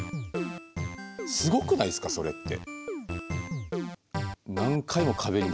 すごくないですかそれって。